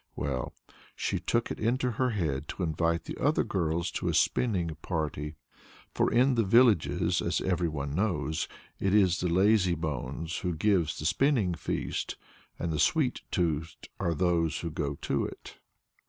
Well, she took it into her head to invite the other girls to a spinning party. For in the villages, as every one knows, it is the lazybones who gives the spinning feast, and the sweet toothed are those who go to it.